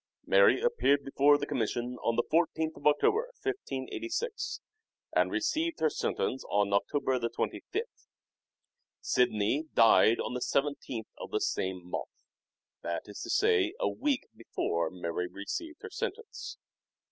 Mary appeared before the commission on the I4th of October, 1586, and received her sentence on October the 25th. Sidney died on the iyth of the same month ; that is to say a week before Mary received her sentence.